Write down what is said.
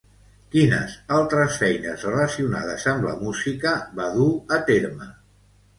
Quines altres feines relacionades amb la música va dur a terme?